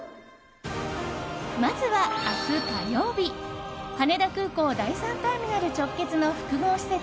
まずは明日、火曜日羽田空港第３ターミナル直結の複合施設